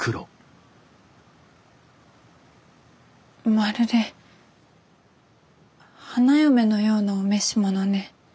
まるで花嫁のようなお召し物ね。